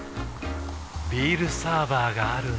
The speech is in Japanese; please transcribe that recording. ビールサーバーがある夏。